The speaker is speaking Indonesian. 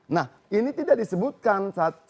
nah ini tidak disebutkan